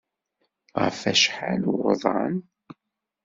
Ɣef wacḥal n wuḍan?